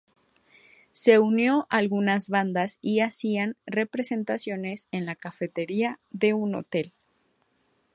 Se unió algunas bandas y hacían presentaciones en la cafetería de un hotel.